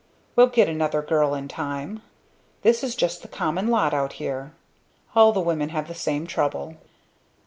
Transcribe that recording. We'll get another girl in time. This is just the common lot out here. All the women have the same trouble."